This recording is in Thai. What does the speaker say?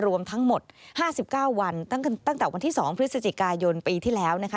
รวมทั้งหมด๕๙วันตั้งแต่วันที่๒พฤศจิกายนปีที่แล้วนะคะ